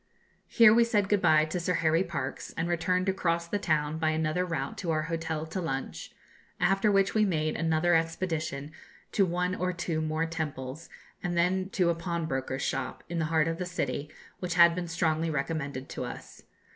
Here we said good bye to Sir Harry Parkes, and returned across the town by another route to our hotel to lunch, after which we made another expedition to one or two more temples, and then to a pawnbroker's shop, in the heart of the city, which had been strongly recommended to us.